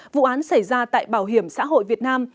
vụ án xảy ra tại bảo hiểm xã hội việt nam